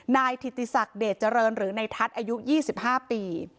นายถิติศักดิ์เดชเจริญหรือในทัศน์อายุ๒๕ปี